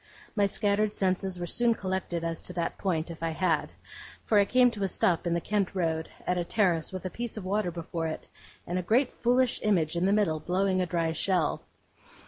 My scattered senses were soon collected as to that point, if I had; for I came to a stop in the Kent Road, at a terrace with a piece of water before it, and a great foolish image in the middle, blowing a dry shell.